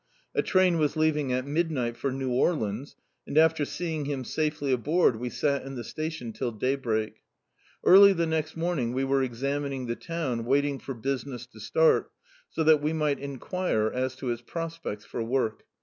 A train was leav ing at midnight for New Orleans, and, after seeing him safely aboard, we sat in the station till day break. Early the next morning we were examining the town, waiting for business to start, so that we might enquire as to its prospects for work.